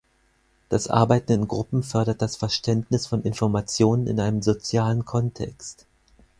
Das Arbeiten in Gruppen fördert das Verständnis von Informationen in einem sozialen Kontext.